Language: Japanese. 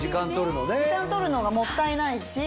時間とるのがもったいないし。